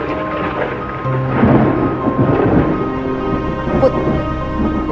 kamu mau gak gorgeous lu